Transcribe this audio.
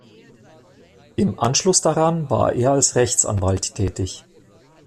Im Anschluss daran war er als Rechtsanwalt tätig.